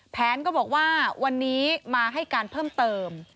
แผนก็บอกว่าวันนี้มาให้การเพิ่มเติม